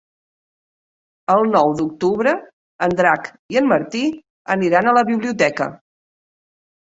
El nou d'octubre en Drac i en Martí aniran a la biblioteca.